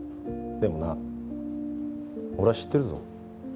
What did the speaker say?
でもな俺は知ってるぞ。